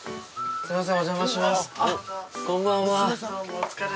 すいません